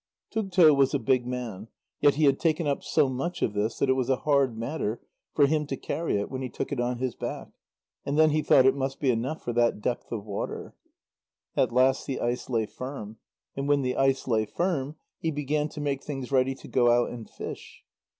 Tugto was a big man, yet he had taken up so much of this that it was a hard matter for him to carry it when he took it on his back, and then he thought it must be enough for that depth of water. At last the ice lay firm, and when the ice lay firm, he began to make things ready to go out and fish.